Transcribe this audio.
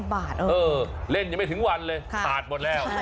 ๒๐บาทเออเล่นยังไม่ถึงวันเลยถ้าดหมดแล้ว